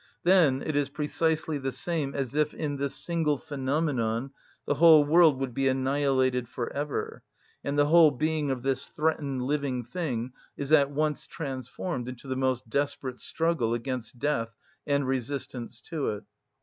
Then it is precisely the same as if in this single phenomenon the whole world would be annihilated for ever, and the whole being of this threatened living thing is at once transformed into the most desperate struggle against death and resistance to it.